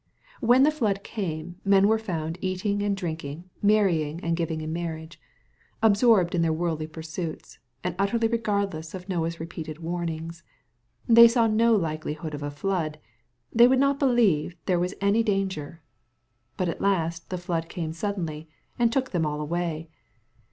When the flood came, men were found " eating and drinking, marryingand given in marriage,'' absorbed in their worldly pursuits, and utterly regardless of Noah's repeated warnings. They saw no likelihood of a flood. They would not believe there was any danger. But at last the flood came suddenly and " took them all away."